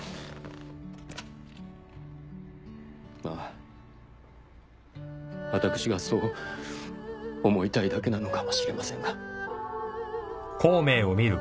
まあ私がそう思いたいだけなのかもしれませんが。